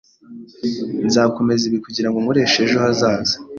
Nzakomeza ibi kugirango nkoreshe ejo hazaza.